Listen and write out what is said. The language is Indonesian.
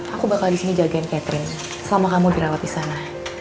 aku akan menjaga catherine selama kamu di rawat di sana